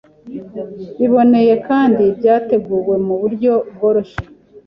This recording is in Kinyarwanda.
biboneye kandi byateguwe mu buryo bworoshye